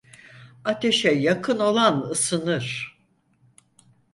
Ateşe yakın olan, ısınır!